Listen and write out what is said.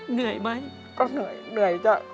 เหนื่อยไหมก็เหนื่อยเหนื่อยจ้ะ